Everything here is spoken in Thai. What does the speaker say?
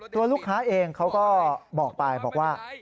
ตัวลูกค้าเองเขาก็บอกไปบอกว่า